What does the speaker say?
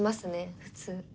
普通。